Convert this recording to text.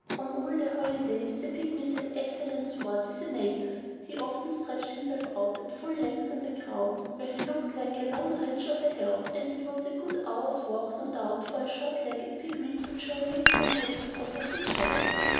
On all their holidays, the Pygmies had excellent sport with Antaeus. He often stretched himself out at full length on the ground, where he looked like the long ridge of a hill; and it was a good hour's walk, no doubt, for a short legged Pygmy to journey from head to foot of the Giant.